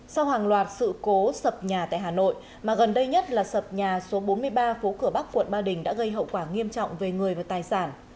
sau hàng loạt sự cố sập nhà tại hà nội mà gần đây nhất là sập nhà số bốn mươi ba phố cửa bắc quận ba đình đã gây hậu quả nghiêm trọng về người và tài sản